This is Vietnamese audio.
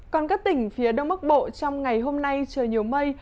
còn các tỉnh phía đông bắc bộ trong ngày hôm nay trời nhiều mây